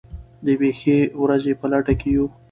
د یوې ښې ورځې په لټه کې یو.